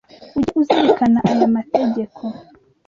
Ujye uzirikana aya mategeko.